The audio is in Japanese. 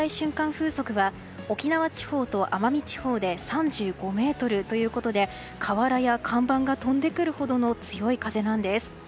風速は沖縄地方と奄美地方で３５メートルということで瓦や看板が飛んでくるほどの強い風なんです。